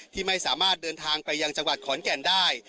ที่ไม่สามารถเดินทางไปยังจังหวัดขอนแก่นได้